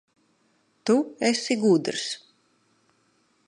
Tu esi gudrs.